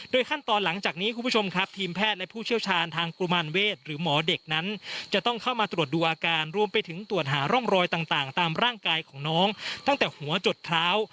ขั้นตอนหลังจากนี้คุณผู้ชมครับทีมแพทย์และผู้เชี่ยวชาญทางกุมารเวศหรือหมอเด็กนั้นจะต้องเข้ามาตรวจดูอาการรวมไปถึงตรวจหาร่องรอยต่างตามร่างกายของน้องตั้งแต่หัวจดเท้า